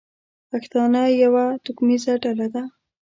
پښتانه یوه توکمیزه ډله ده.